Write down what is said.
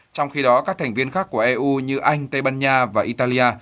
trong khi đó các thành viên khác của eu như anh tây ban nha và italia